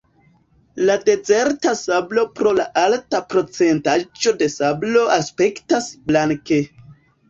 La dezerta sablo pro la alta procentaĵo de sablo aspektas blanke.